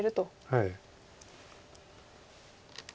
はい。